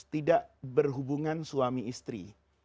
tidak berhubungan suami istri